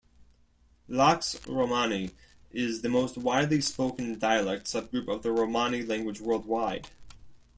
Vlax Romani is the most widely spoken dialect subgroup of the Romani language worldwide.